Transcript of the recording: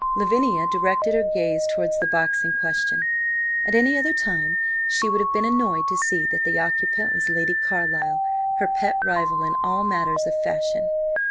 Lavinia directed her gaze towards the box in question. At any other time she would have been annoyed to see that the occupant was Lady Carlyle, her pet rival in all matters of fashion.